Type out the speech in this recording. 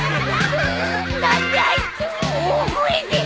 く何であいつ大声で